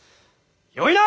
よいな！